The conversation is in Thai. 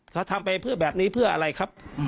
เขาทำไปเพื่อแบบนี้เพื่ออะไรครับ